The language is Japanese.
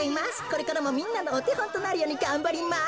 これからもみんなのおてほんとなるようにがんばります。